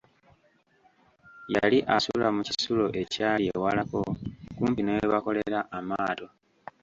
Yali asula mu kisulo ekyali ewalako kumpi ne we bakolera amaato.